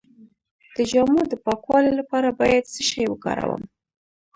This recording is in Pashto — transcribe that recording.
د جامو د پاکوالي لپاره باید څه شی وکاروم؟